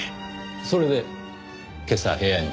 それで今朝部屋に？